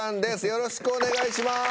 よろしくお願いします。